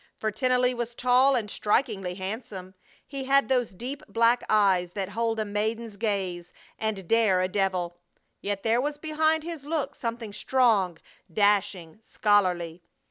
For Tennelly was tall and strikingly handsome. He had those deep black eyes that hold a maiden's gaze and dare a devil; yet there was behind his look something strong, dashing, scholarly.